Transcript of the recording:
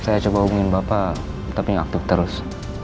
saya coba hubungin bapak tapi gak aktif terus